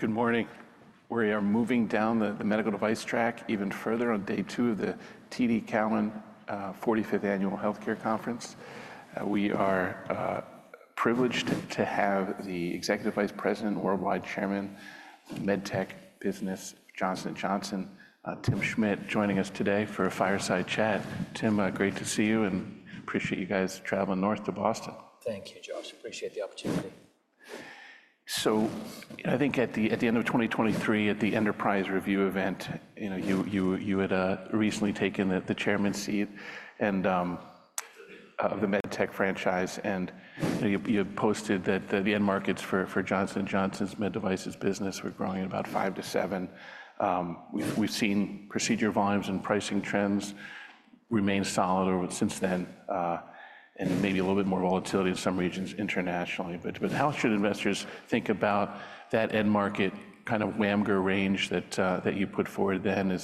Good morning. We are moving down the medical device track even further on day two of the TD Cowen 45th Annual Healthcare Conference. We are privileged to have the Executive Vice President, Worldwide Chairman, MedTech Business, Johnson & Johnson, Tim Schmid joining us today for a fireside chat. Tim, great to see you and appreciate you guys traveling north to Boston. Thank you, Josh. Appreciate the opportunity. So I think at the end of 2023, at the Enterprise Review event, you had recently taken the chairman seat of the MedTech franchise. And you had posted that the end markets for Johnson & Johnson's med devices business were growing about 5%-7%. We've seen procedure volumes and pricing trends remain solid since then and maybe a little bit more volatility in some regions internationally. But how should investors think about that end market kind of WAMGR range that you put forward then?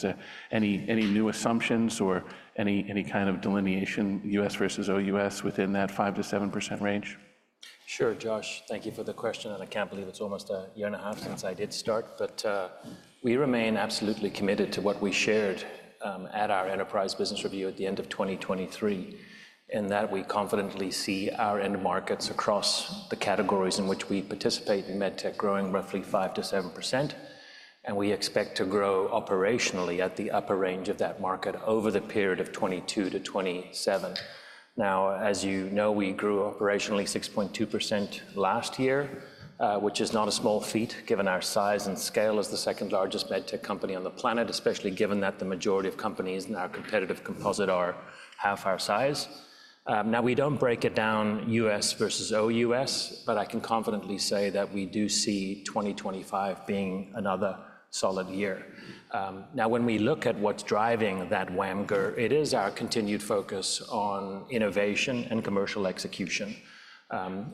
Any new assumptions or any kind of delineation, US versus OUS, within that 5%-7% range? Sure, Josh. Thank you for the question, and I can't believe it's almost a year and a half since I did start, but we remain absolutely committed to what we shared at our Enterprise Business Review at the end of 2023, in that we confidently see our end markets across the categories in which we participate in med tech growing roughly five-seven %. And we expect to grow operationally at the upper range of that market over the period of 2022-2027. Now, as you know, we grew operationally 6.2% last year, which is not a small feat given our size and scale as the second largest med tech company on the planet, especially given that the majority of companies in our competitive composite are half our size. Now, we don't break it down US versus OUS, but I can confidently say that we do see 2025 being another solid year. Now, when we look at what's driving that WAMGR, it is our continued focus on innovation and commercial execution.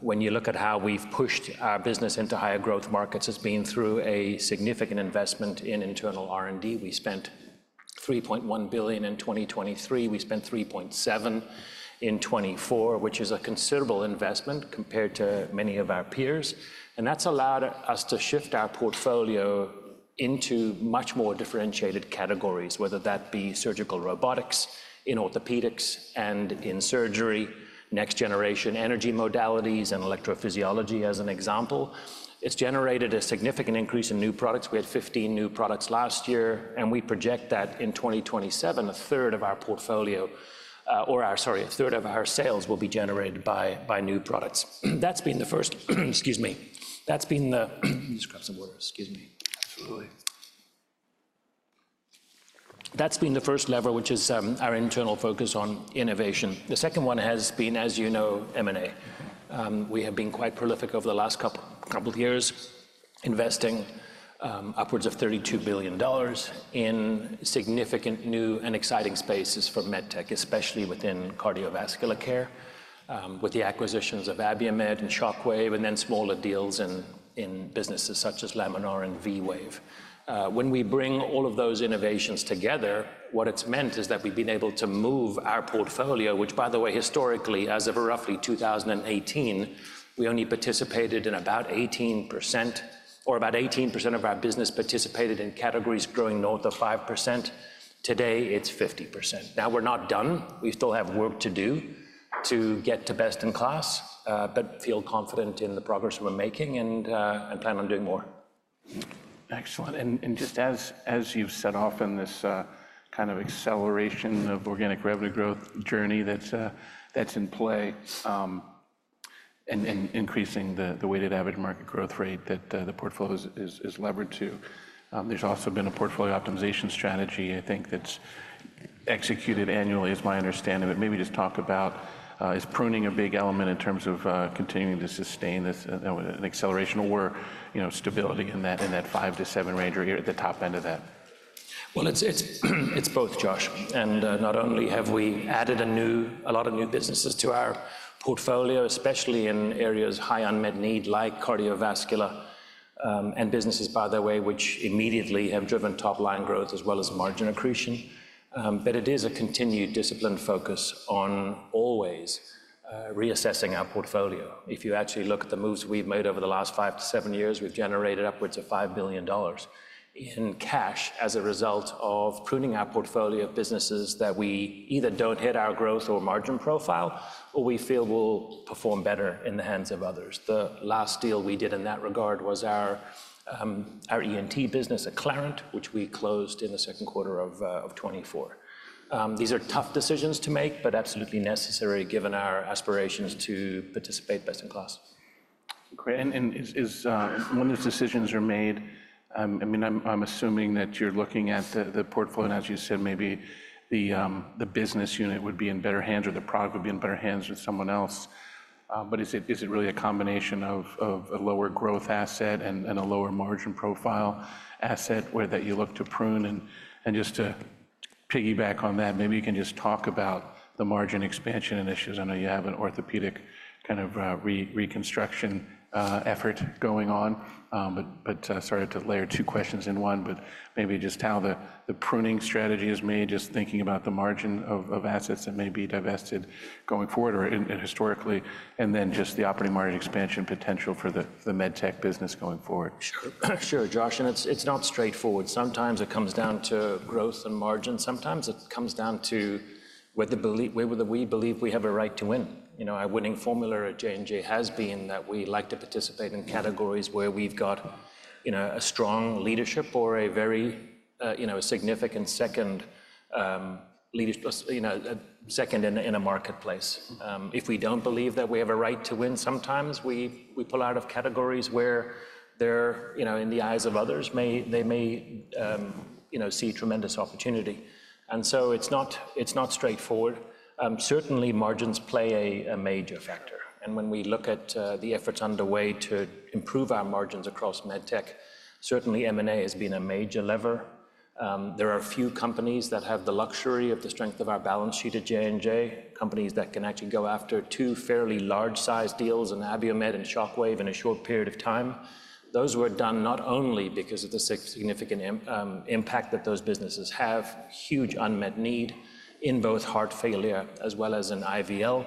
When you look at how we've pushed our business into higher growth markets, it's been through a significant investment in internal R&D. We spent $3.1 billion in 2023. We spent $3.7 billion in 2024, which is a considerable investment compared to many of our peers, and that's allowed us to shift our portfolio into much more differentiated categories, whether that be surgical robotics in orthopedics and in surgery, next generation energy modalities, and electrophysiology as an example. It's generated a significant increase in new products. We had 15 new products last year. We project that in 2027, a third of our portfolio, or sorry, a third of our sales will be generated by new products. That's been the first. Excuse me. Let me just grab some water. Excuse me. Absolutely. That's been the first lever, which is our internal focus on innovation. The second one has been, as you know, M&A. We have been quite prolific over the last couple of years, investing upwards of $32 billion in significant new and exciting spaces for med tech, especially within cardiovascular care, with the acquisitions of Abiomed and Shockwave, and then smaller deals in businesses such as Laminar and V-Wave. When we bring all of those innovations together, what it's meant is that we've been able to move our portfolio, which, by the way, historically, as of roughly 2018, we only participated in about 18%, or about 18% of our business participated in categories growing north of 5%. Today, it's 50%. Now, we're not done. We still have work to do to get to best in class, but feel confident in the progress we're making and plan on doing more. Excellent. And just as you've set off in this kind of acceleration of organic revenue growth journey that's in play and increasing the weighted average market growth rate that the portfolio is levered to, there's also been a portfolio optimization strategy, I think, that's executed annually, is my understanding. But maybe just talk about, is pruning a big element in terms of continuing to sustain this and acceleration or stability in that five to seven range or here at the top end of that? It's both, Josh. And not only have we added a lot of new businesses to our portfolio, especially in areas high on med need like cardiovascular and businesses, by the way, which immediately have driven top line growth as well as margin accretion. But it is a continued disciplined focus on always reassessing our portfolio. If you actually look at the moves we've made over the last five to seven years, we've generated upwards of $5 billion in cash as a result of pruning our portfolio of businesses that we either don't hit our growth or margin profile, or we feel will perform better in the hands of others. The last deal we did in that regard was our ENT business at Acclarent, which we closed in the second quarter of 2024. These are tough decisions to make, but absolutely necessary given our aspirations to participate best in class. Great. And when those decisions are made, I mean, I'm assuming that you're looking at the portfolio, and as you said, maybe the business unit would be in better hands or the product would be in better hands with someone else. But is it really a combination of a lower growth asset and a lower margin profile asset that you look to prune? And just to piggyback on that, maybe you can just talk about the margin expansion initiatives. I know you have an orthopedic kind of reconstruction effort going on, but sorry to layer two questions in one, but maybe just how the pruning strategy is made, just thinking about the margin of assets that may be divested going forward or historically, and then just the operating margin expansion potential for the MedTech business going forward. Sure, Josh. And it's not straightforward. Sometimes it comes down to growth and margin. Sometimes it comes down to whether we believe we have a right to win. Our winning formula at J&J has been that we like to participate in categories where we've got a strong leadership or a very significant second in a marketplace. If we don't believe that we have a right to win, sometimes we pull out of categories where they're, in the eyes of others, they may see tremendous opportunity. And so it's not straightforward. Certainly, margins play a major factor. And when we look at the efforts underway to improve our margins across med tech, certainly M&A has been a major lever. There are a few companies that have the luxury of the strength of our balance sheet at J&J, companies that can actually go after two fairly large sized deals, an Abiomed and Shockwave, in a short period of time. Those were done not only because of the significant impact that those businesses have, huge unmet need in both heart failure as well as an IVL,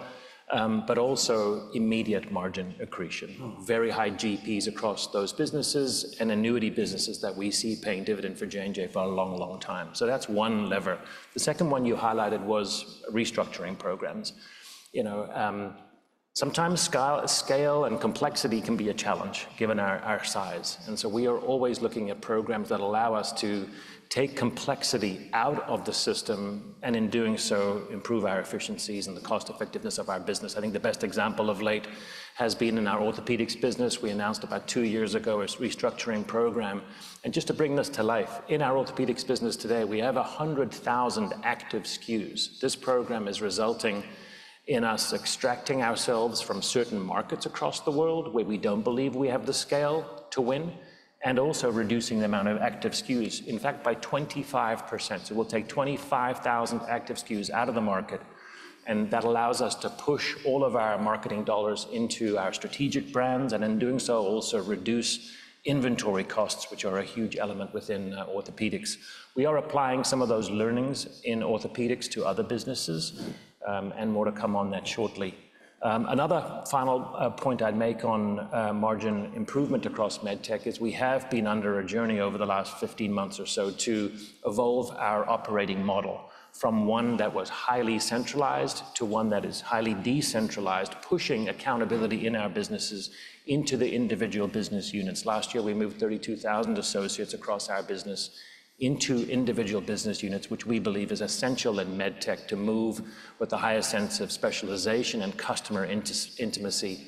but also immediate margin accretion, very high GPs across those businesses and annuity businesses that we see paying dividend for J&J for a long, long time. So that's one lever. The second one you highlighted was restructuring programs. Sometimes scale and complexity can be a challenge given our size. And so we are always looking at programs that allow us to take complexity out of the system and in doing so, improve our efficiencies and the cost effectiveness of our business. I think the best example of late has been in our orthopedics business. We announced about two years ago a restructuring program, and just to bring this to life, in our orthopedics business today, we have 100,000 active SKUs. This program is resulting in us extracting ourselves from certain markets across the world where we don't believe we have the scale to win and also reducing the amount of active SKUs, in fact, by 25%. So we'll take 25,000 active SKUs out of the market, and that allows us to push all of our marketing dollars into our strategic brands and in doing so, also reduce inventory costs, which are a huge element within orthopedics. We are applying some of those learnings in orthopedics to other businesses and more to come on that shortly. Another final point I'd make on margin improvement across MedTech is we have been under a journey over the last 15 months or so to evolve our operating model from one that was highly centralized to one that is highly decentralized, pushing accountability in our businesses into the individual business units. Last year, we moved 32,000 associates across our business into individual business units, which we believe is essential in MedTech to move with the highest sense of specialization and customer intimacy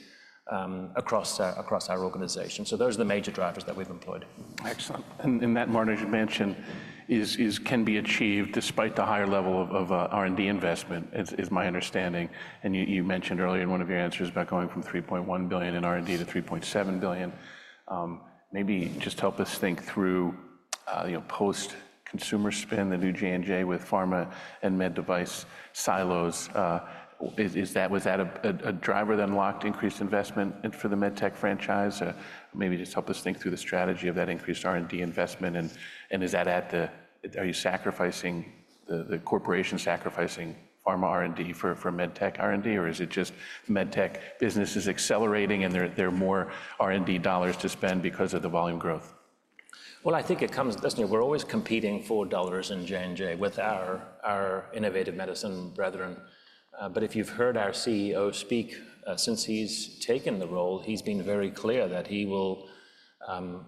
across our organization. So those are the major drivers that we've employed. Excellent. And that margin you mentioned can be achieved despite the higher level of R&D investment, is my understanding. And you mentioned earlier in one of your answers about going from $3.1 billion in R&D to $3.7 billion. Maybe just help us think through post-consumer spend, the new J&J with pharma and med device silos. Was that a driver that unlocked increased investment for the med tech franchise? Maybe just help us think through the strategy of that increased R&D investment. And is that, is the corporation sacrificing pharma R&D for med tech R&D, or is it just med tech businesses accelerating and there are more R&D dollars to spend because of the volume growth? Well, I think it comes, listen. We're always competing for dollars in J&J with our Innovative Medicine brethren. But if you've heard our CEO speak, since he's taken the role, he's been very clear that he will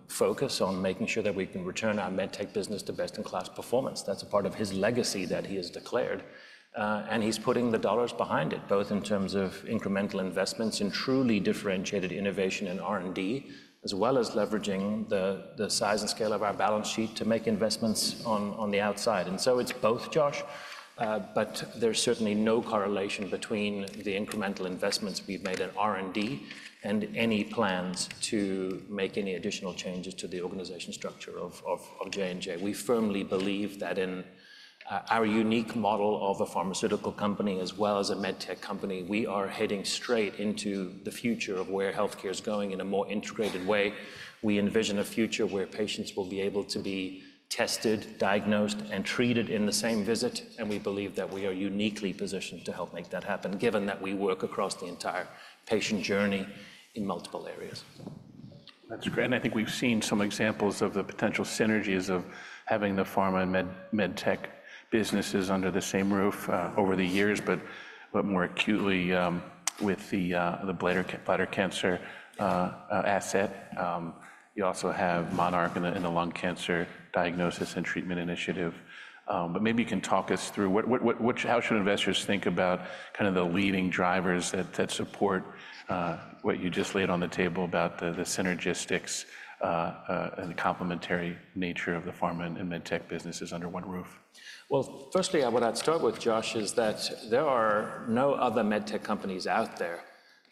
focus on making sure that we can return our med tech business to best in class performance. That's a part of his legacy that he has declared. And he's putting the dollars behind it, both in terms of incremental investments in truly differentiated innovation and R&D, as well as leveraging the size and scale of our balance sheet to make investments on the outside. And so it's both, Josh. But there's certainly no correlation between the incremental investments we've made in R&D and any plans to make any additional changes to the organization structure of J&J. We firmly believe that in our unique model of a pharmaceutical company as well as a MedTech company, we are heading straight into the future of where healthcare is going in a more integrated way. We envision a future where patients will be able to be tested, diagnosed, and treated in the same visit. And we believe that we are uniquely positioned to help make that happen, given that we work across the entire patient journey in multiple areas. That's great. And I think we've seen some examples of the potential synergies of having the pharma and med tech businesses under the same roof over the years, but more acutely with the bladder cancer asset. You also have MONARCH in the lung cancer diagnosis and treatment initiative. But maybe you can talk us through how should investors think about kind of the leading drivers that support what you just laid on the table about the synergies and the complementary nature of the pharma and med tech businesses under one roof? Firstly, what I'd start with, Josh, is that there are no other med tech companies out there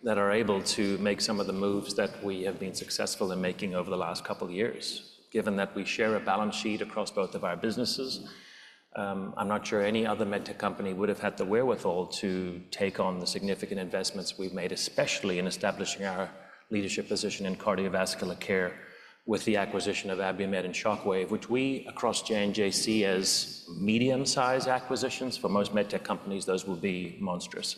that are able to make some of the moves that we have been successful in making over the last couple of years, given that we share a balance sheet across both of our businesses. I'm not sure any other med tech company would have had the wherewithal to take on the significant investments we've made, especially in establishing our leadership position in cardiovascular care with the acquisition of Abiomed and Shockwave, which we across J&J see as medium-sized acquisitions. For most med tech companies, those will be monstrous.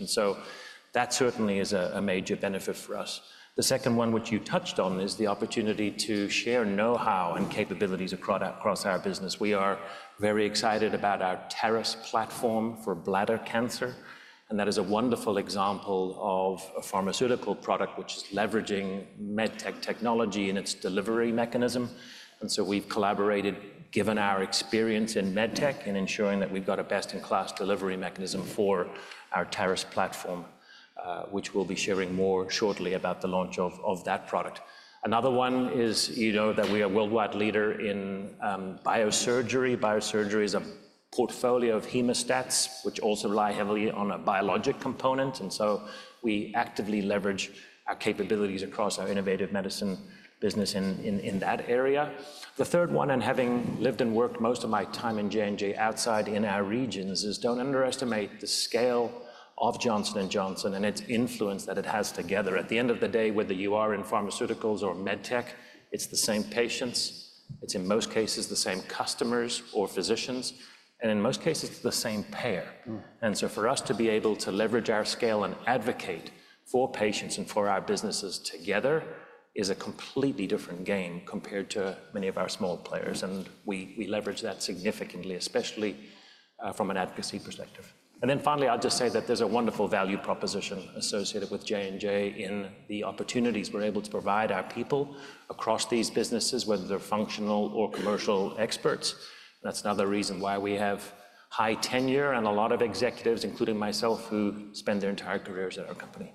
That certainly is a major benefit for us. The second one, which you touched on, is the opportunity to share know-how and capabilities across our business. We are very excited about our TARIS platform for bladder cancer. And that is a wonderful example of a pharmaceutical product which is leveraging MedTech technology in its delivery mechanism. And so we've collaborated, given our experience in MedTech, in ensuring that we've got a best in class delivery mechanism for our TARIS platform, which we'll be sharing more shortly about the launch of that product. Another one is that we are a worldwide leader in Biosurgery. Biosurgery is a portfolio of hemostats, which also rely heavily on a biologic component. And so we actively leverage our capabilities across our Innovative Medicine business in that area. The third one, and having lived and worked most of my time in J&J outside in our regions, is don't underestimate the scale of Johnson & Johnson and its influence that it has together. At the end of the day, whether you are in pharmaceuticals or MedTech, it's the same patients. It's in most cases the same customers or physicians. And in most cases, it's the same payer. And so for us to be able to leverage our scale and advocate for patients and for our businesses together is a completely different game compared to many of our small players. And we leverage that significantly, especially from an advocacy perspective. And then finally, I'll just say that there's a wonderful value proposition associated with J&J in the opportunities we're able to provide our people across these businesses, whether they're functional or commercial experts. That's another reason why we have high tenure and a lot of executives, including myself, who spend their entire careers at our company.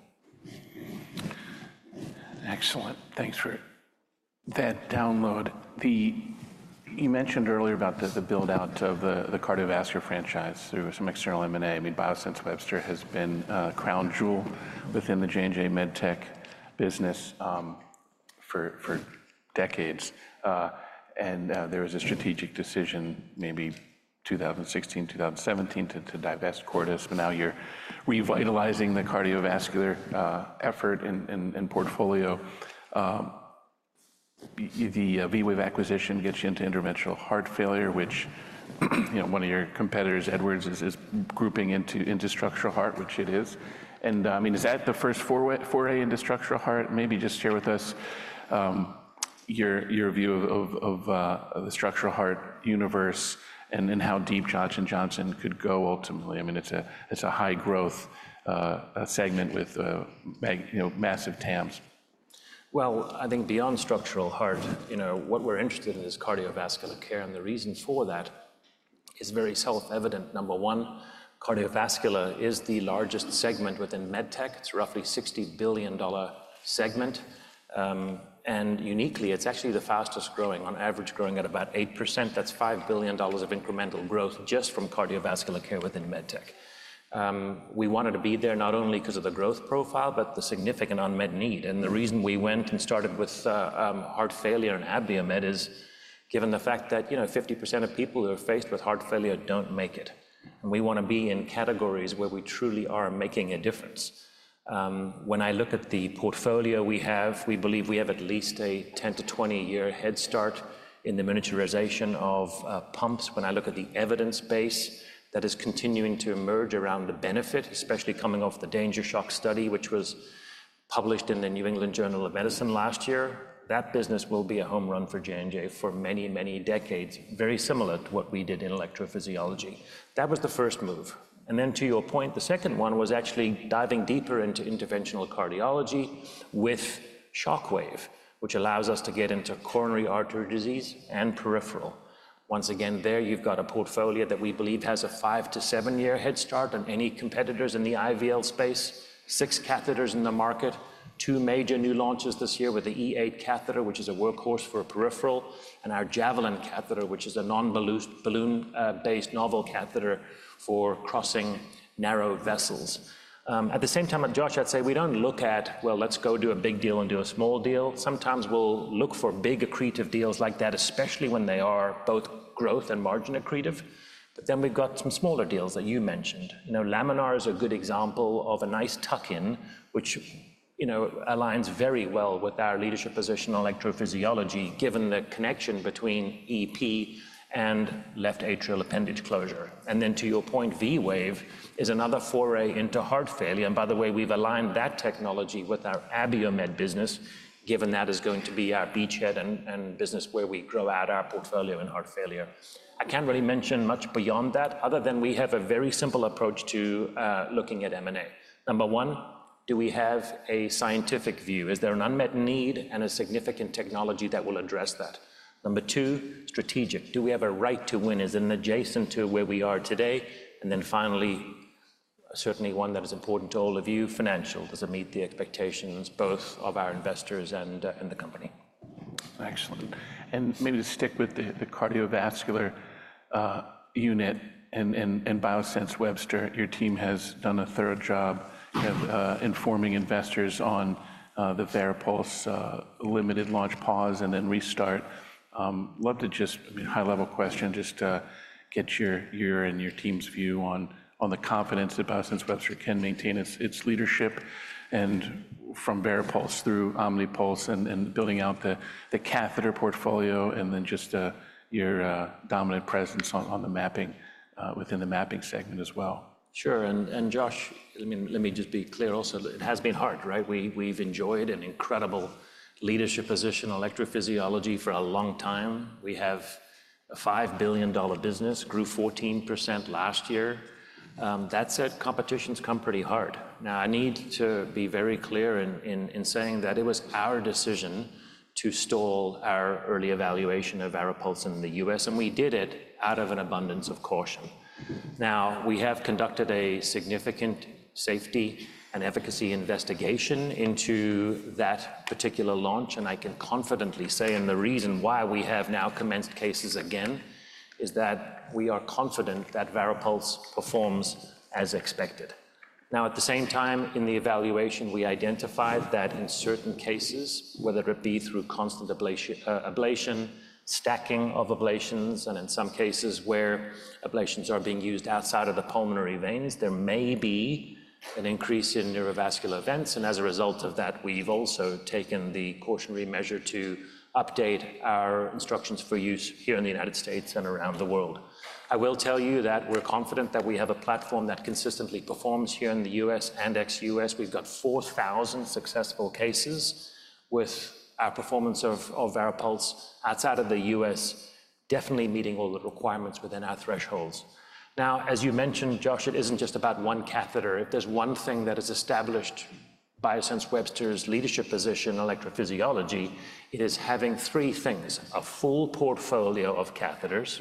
Excellent. Thanks for that download. You mentioned earlier about the buildout of the cardiovascular franchise through some external M&A. I mean, Biosense Webster has been a crown jewel within the J&J MedTech business for decades, and there was a strategic decision maybe 2016, 2017 to divest Cordis, but now you're revitalizing the cardiovascular effort and portfolio. The V-Wave acquisition gets you into interventional heart failure, which one of your competitors, Edwards, is grouping into structural heart, which it is, and I mean, is that the first foray into structural heart? Maybe just share with us your view of the structural heart universe and how deep Johnson & Johnson could go ultimately. I mean, it's a high growth segment with massive TAMs. I think beyond structural heart, what we're interested in is cardiovascular care. The reason for that is very self-evident. Number one, cardiovascular is the largest segment within med tech. It's roughly a $60 billion segment. Uniquely, it's actually the fastest growing, on average growing at about 8%. That's $5 billion of incremental growth just from cardiovascular care within med tech. We wanted to be there not only because of the growth profile, but the significant unmet need. The reason we went and started with heart failure and Abiomed is given the fact that 50% of people who are faced with heart failure don't make it. We want to be in categories where we truly are making a difference. When I look at the portfolio we have, we believe we have at least a 10-20-year head start in the miniaturization of pumps. When I look at the evidence base that is continuing to emerge around the benefit, especially coming off the DanGer Shock study, which was published in the New England Journal of Medicine last year, that business will be a home run for J&J for many, many decades, very similar to what we did in electrophysiology. That was the first move. And then to your point, the second one was actually diving deeper into interventional cardiology with Shockwave, which allows us to get into coronary artery disease and peripheral. Once again, there you've got a portfolio that we believe has a five to seven year head start on any competitors in the IVL space, six catheters in the market, two major new launches this year with the E8 catheter, which is a workhorse for peripheral, and our Javelin catheter, which is a non-balloon based novel catheter for crossing narrow vessels. At the same time, Josh, I'd say we don't look at, well, let's go do a big deal and do a small deal. Sometimes we'll look for big accretive deals like that, especially when they are both growth and margin accretive. But then we've got some smaller deals that you mentioned. Laminar is a good example of a nice tuck-in, which aligns very well with our leadership position on electrophysiology, given the connection between EP and left atrial appendage closure. And then to your point, V-Wave is another foray into heart failure. And by the way, we've aligned that technology with our Abiomed business, given that is going to be our beachhead and business where we grow out our portfolio in heart failure. I can't really mention much beyond that other than we have a very simple approach to looking at M&A. Number one, do we have a scientific view? Is there an unmet need and a significant technology that will address that? Number two, strategic. Do we have a right to win? Is it adjacent to where we are today? And then finally, certainly one that is important to all of you, financial. Does it meet the expectations both of our investors and the company? Excellent. And maybe to stick with the cardiovascular unit and Biosense Webster, your team has done a thorough job informing investors on the VARIPULSE, limited launch pause, and then restart. I'd love to just, high level question, just get your and your team's view on the confidence that Biosense Webster can maintain its leadership from VARIPULSE through OMNIPULSE and building out the catheter portfolio and then just your dominant presence on the mapping within the mapping segment as well. Sure. And Josh, let me just be clear also. It has been hard, right? We've enjoyed an incredible leadership position in electrophysiology for a long time. We have a $5 billion business, grew 14% last year. That said, competitions come pretty hard. Now, I need to be very clear in saying that it was our decision to stall our early evaluation of VARIPULSE in the U.S., and we did it out of an abundance of caution. Now, we have conducted a significant safety and efficacy investigation into that particular launch. And I can confidently say, and the reason why we have now commenced cases again is that we are confident that VARIPULSE performs as expected. Now, at the same time, in the evaluation, we identified that in certain cases, whether it be through constant ablation, stacking of ablations, and in some cases where ablations are being used outside of the pulmonary veins, there may be an increase in neurovascular events, and as a result of that, we've also taken the cautionary measure to update our instructions for use here in the United States and around the world. I will tell you that we're confident that we have a platform that consistently performs here in the US and ex-US. We've got 4,000 successful cases with our performance of VARIPULSE outside of the US, definitely meeting all the requirements within our thresholds. Now, as you mentioned, Josh, it isn't just about one catheter. If there's one thing that has established Biosense Webster's leadership position in electrophysiology, it is having three things: a full portfolio of catheters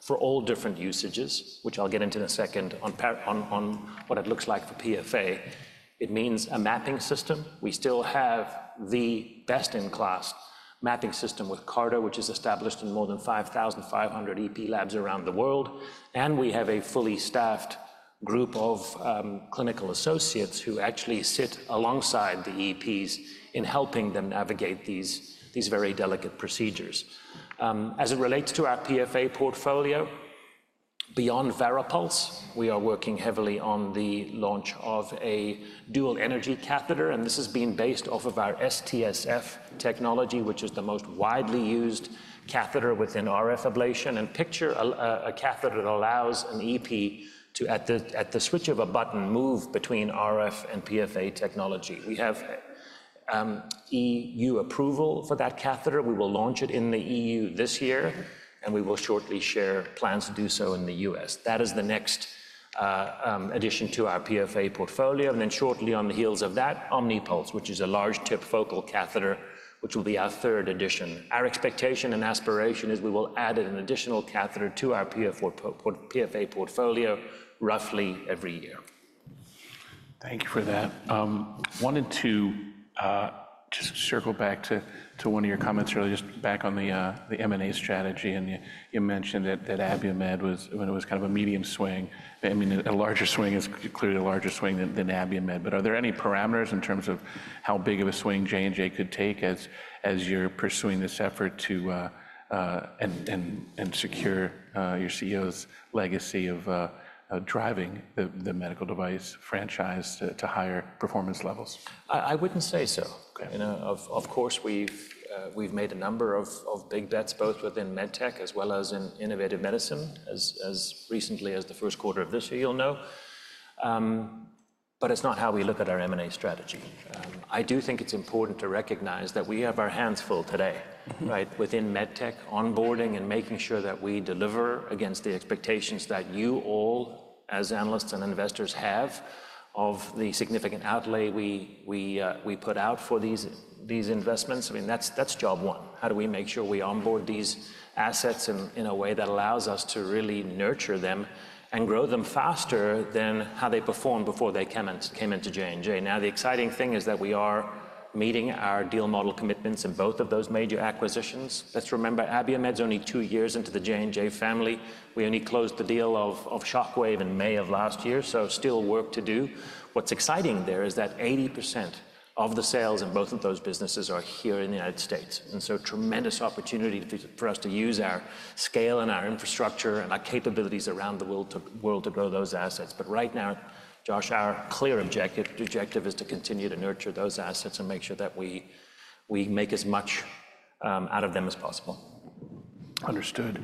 for all different usages, which I'll get into in a second on what it looks like for PFA. It means a mapping system. We still have the best in class mapping system with CARTO, which is established in more than 5,500 EP labs around the world, and we have a fully staffed group of clinical associates who actually sit alongside the EPs in helping them navigate these very delicate procedures. As it relates to our PFA portfolio, beyond VARIPULSE, we are working heavily on the launch of a dual energy catheter, and this has been based off of our STSF technology, which is the most widely used catheter within RF ablation. Picture a catheter that allows an EP to, at the switch of a button, move between RF and PFA technology. We have EU approval for that catheter. We will launch it in the EU this year, and we will shortly share plans to do so in the US. That is the next addition to our PFA portfolio. Then shortly on the heels of that, OMNIPULSE, which is a large tip focal catheter, which will be our third addition. Our expectation and aspiration is we will add an additional catheter to our PFA portfolio roughly every year. Thank you for that. I wanted to just circle back to one of your comments earlier, just back on the M&A strategy. And you mentioned that Abiomed was kind of a medium swing. I mean, a larger swing is clearly a larger swing than Abiomed. But are there any parameters in terms of how big of a swing J&J could take as you're pursuing this effort to secure your CEO's legacy of driving the medical device franchise to higher performance levels? I wouldn't say so. Of course, we've made a number of big bets, both within MedTech as well as in Innovative Medicine, as recently as the first quarter of this year, you'll know. But it's not how we look at our M&A strategy. I do think it's important to recognize that we have our hands full today, right, within MedTech, onboarding, and making sure that we deliver against the expectations that you all, as analysts and investors, have of the significant outlay we put out for these investments. I mean, that's job one. How do we make sure we onboard these assets in a way that allows us to really nurture them and grow them faster than how they performed before they came into J&J? Now, the exciting thing is that we are meeting our deal model commitments in both of those major acquisitions. Let's remember, Abiomed is only two years into the J&J family. We only closed the deal of Shockwave in May of last year, so still work to do. What's exciting there is that 80% of the sales in both of those businesses are here in the United States, and so tremendous opportunity for us to use our scale and our infrastructure and our capabilities around the world to grow those assets, but right now, Josh, our clear objective is to continue to nurture those assets and make sure that we make as much out of them as possible. Understood.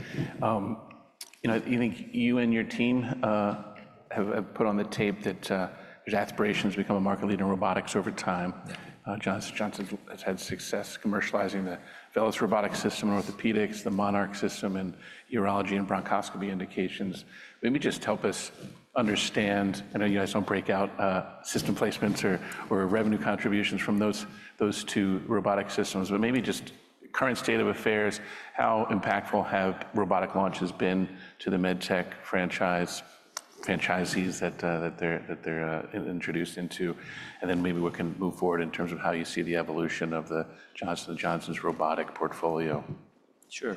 You think you and your team have put on the table that your aspirations have become a market leader in robotics over time. Johnson & Johnson has had success commercializing the VELYS robotic system in orthopedics, the MONARCH system in urology and bronchoscopy indications. Maybe just help us understand. I know you guys don't break out system placements or revenue contributions from those two robotic systems, but maybe just current state of affairs, how impactful have robotic launches been to the med tech franchises that they're introduced into? And then maybe we can move forward in terms of how you see the evolution of the Johnson & Johnson's robotic portfolio. Sure.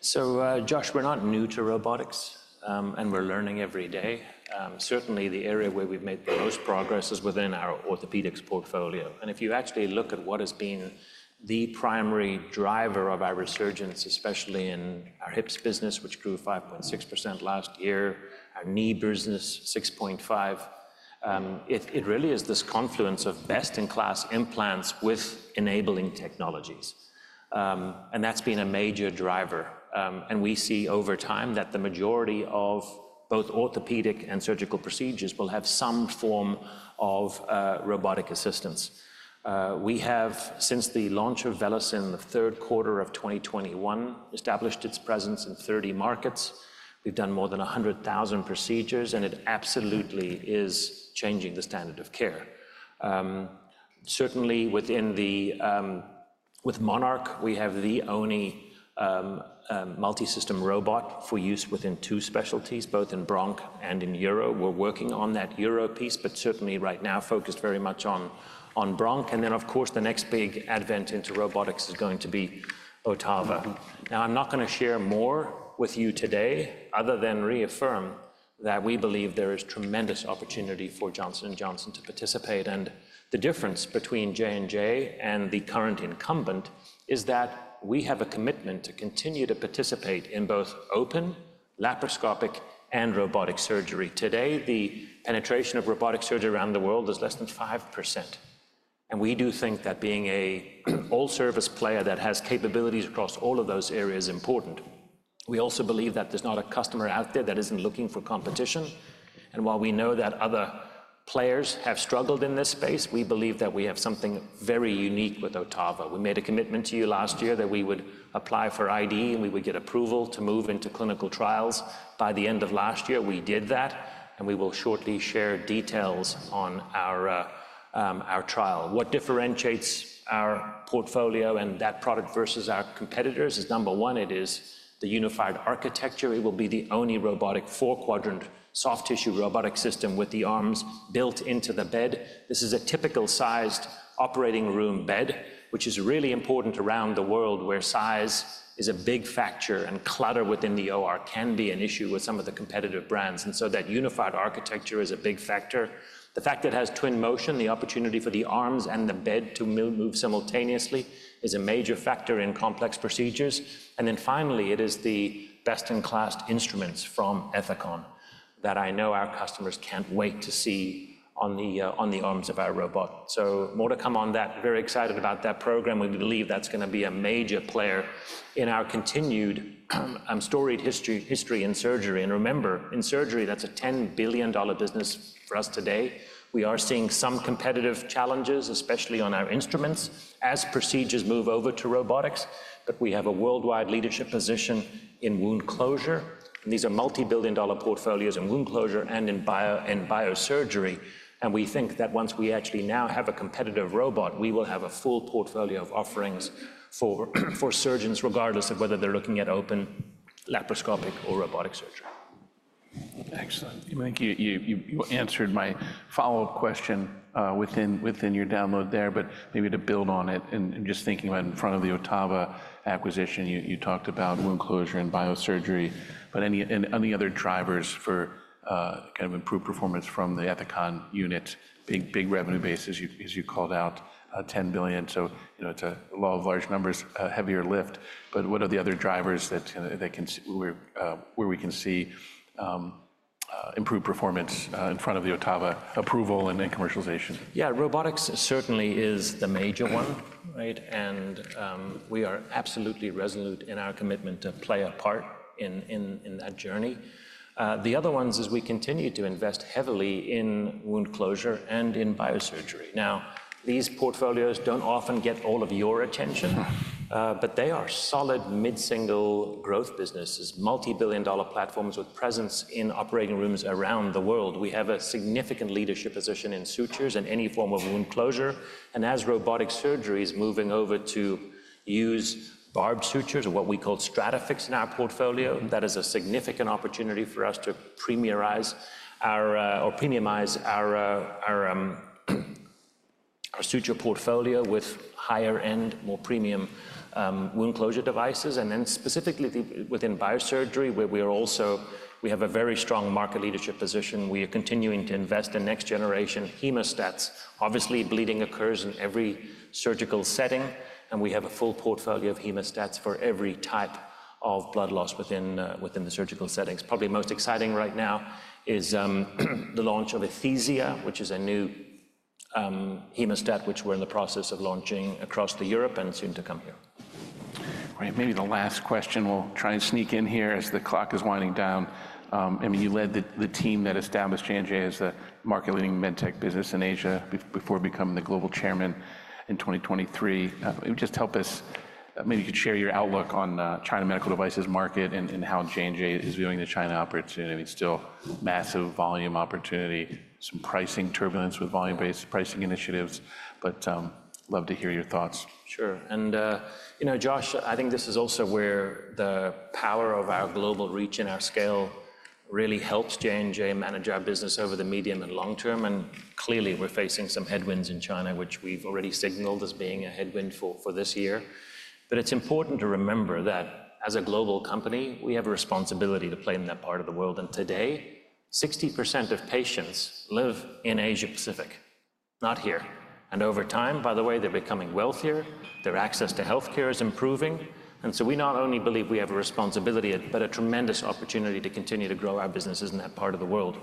So Josh, we're not new to robotics, and we're learning every day. Certainly, the area where we've made the most progress is within our orthopedics portfolio. And if you actually look at what has been the primary driver of our resurgence, especially in our hips business, which grew 5.6% last year, our knee business 6.5%, it really is this confluence of best in class implants with enabling technologies. And that's been a major driver. And we see over time that the majority of both orthopedic and surgical procedures will have some form of robotic assistance. We have, since the launch of VELYS in the third quarter of 2021, established its presence in 30 markets. We've done more than 100,000 procedures, and it absolutely is changing the standard of care. Certainly, with MONARCH, we have the only multisystem robot for use within two specialties, both in bronch and in uro. We're working on that uro piece, but certainly right now focused very much on bronch. And then, of course, the next big advance into robotics is going to be OTTAVA. Now, I'm not going to share more with you today other than reaffirm that we believe there is tremendous opportunity for Johnson & Johnson to participate. And the difference between J&J and the current incumbent is that we have a commitment to continue to participate in both open, laparoscopic, and robotic surgery. Today, the penetration of robotic surgery around the world is less than 5%. And we do think that being an all-service player that has capabilities across all of those areas is important. We also believe that there's not a customer out there that isn't looking for competition. While we know that other players have struggled in this space, we believe that we have something very unique with OTTAVA. We made a commitment to you last year that we would apply for IDE and we would get approval to move into clinical trials. By the end of last year, we did that, and we will shortly share details on our trial. What differentiates our portfolio and that product versus our competitors is number one, it is the unified architecture. It will be the OTTAVA robotic four-quadrant soft tissue robotic system with the arms built into the bed. This is a typical-sized operating room bed, which is really important around the world where size is a big factor and clutter within the OR can be an issue with some of the competitive brands. And so that unified architecture is a big factor. The fact that it has twin motion, the opportunity for the arms and the bed to move simultaneously is a major factor in complex procedures, and then finally, it is the best in class instruments from Ethicon that I know our customers can't wait to see on the arms of our robot, so more to come on that. Very excited about that program. We believe that's going to be a major player in our continued storied history in surgery, and remember, in surgery, that's a $10 billion business for us today. We are seeing some competitive challenges, especially on our instruments as procedures move over to robotics, but we have a worldwide leadership position in wound closure, and these are multi-billion dollar portfolios in wound closure and in biosurgery. We think that once we actually now have a competitive robot, we will have a full portfolio of offerings for surgeons, regardless of whether they're looking at open, laparoscopic, or robotic surgery. Excellent. I think you answered my follow-up question within your download there, but maybe to build on it and just thinking about in front of the OTTAVA acquisition, you talked about wound closure and biosurgery, but any other drivers for kind of improved performance from the Ethicon unit? Big revenue base, as you called out, $10 billion. So it's a lot of large numbers, heavier lift. But what are the other drivers where we can see improved performance in front of the OTTAVA approval and commercialization? Yeah, robotics certainly is the major one, right? And we are absolutely resolute in our commitment to play a part in that journey. The other ones is we continue to invest heavily in wound closure and in biosurgery. Now, these portfolios don't often get all of your attention, but they are solid mid-single growth businesses, multi-billion dollar platforms with presence in operating rooms around the world. We have a significant leadership position in sutures and any form of wound closure. And as robotic surgery is moving over to use barbed sutures, what we call STRATAFIX in our portfolio, that is a significant opportunity for us to premiumize our suture portfolio with higher-end, more premium wound closure devices. And then specifically within biosurgery, where we have a very strong market leadership position, we are continuing to invest in next-generation hemostats. Obviously, bleeding occurs in every surgical setting, and we have a full portfolio of hemostats for every type of blood loss within the surgical settings. Probably most exciting right now is the launch of ETHIZIA, which is a new hemostat which we're in the process of launching across Europe, and soon to come here. Great. Maybe the last question we'll try and sneak in here as the clock is winding down. I mean, you led the team that established J&J as a market-leading med tech business in Asia before becoming the global chairman in 2023. Just help us, maybe you could share your outlook on China medical devices market and how J&J is viewing the China opportunity. I mean, still massive volume opportunity, some pricing turbulence with volume-based pricing initiatives, but love to hear your thoughts. Sure. And Josh, I think this is also where the power of our global reach and our scale really helps J&J manage our business over the medium and long term. And clearly, we're facing some headwinds in China, which we've already signaled as being a headwind for this year. But it's important to remember that as a global company, we have a responsibility to play in that part of the world. And today, 60% of patients live in Asia Pacific, not here. And over time, by the way, they're becoming wealthier, their access to healthcare is improving. And so we not only believe we have a responsibility, but a tremendous opportunity to continue to grow our businesses in that part of the world.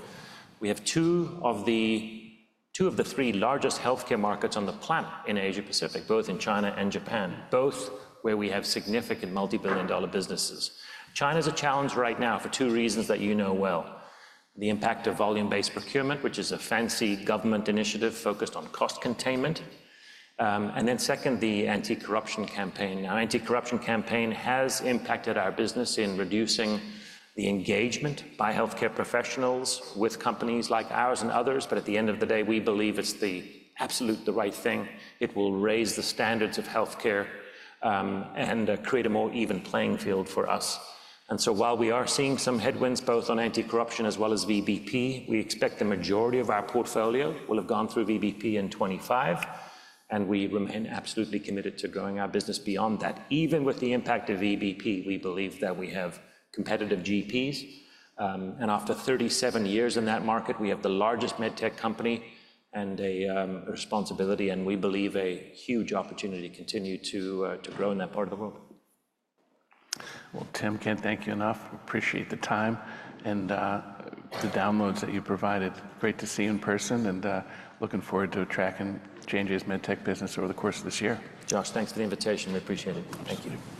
We have two of the three largest healthcare markets on the planet in Asia Pacific, both in China and Japan, both where we have significant multi-billion-dollar businesses. China is a challenge right now for two reasons that you know well: the impact of volume-based procurement, which is a fancy government initiative focused on cost containment, and then second, the anti-corruption campaign. Now, the anti-corruption campaign has impacted our business in reducing the engagement by healthcare professionals with companies like ours and others. But at the end of the day, we believe it's absolutely the right thing. It will raise the standards of healthcare and create a more even playing field for us, and so while we are seeing some headwinds both on anti-corruption as well as VBP, we expect the majority of our portfolio will have gone through VBP in 2025. And we remain absolutely committed to growing our business beyond that. Even with the impact of VBP, we believe that we have competitive GPs. And after 37 years in that market, we have the largest MedTech company and a responsibility, and we believe a huge opportunity to continue to grow in that part of the world. Tim, can't thank you enough. Appreciate the time and the downloads that you provided. Great to see you in person and looking forward to tracking J&J's med tech business over the course of this year. Josh, thanks for the invitation. We appreciate it. Thank you.